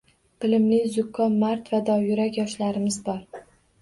Bilimli, zukko, mard va dovyurak yoshlarimiz bor